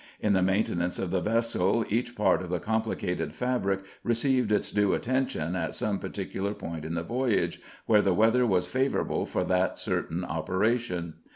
In the maintenance of the vessel, each part of the complicated fabric received its due attention at some particular point in the voyage where the weather was favorable for that certain operation.